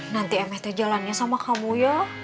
nanti mst jalannya sama kamu ya